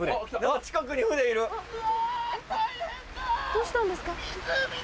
どうしたんですか？